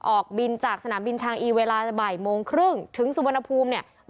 ออกบินจากสนามบินชางอีเวลาบ่ายโมงครึ่งถึงสุวรรณภูมิเนี่ย